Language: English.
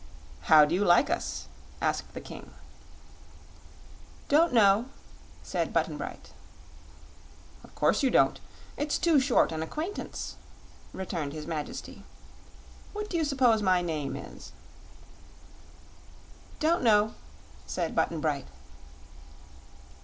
"How do you like us?" asked the King. "Don't know," said Button Bright. "Of course you don't. It's too short an acquaintance," returned his Majesty. "What do you suppose my name is?" "Don't know," said Button Bright.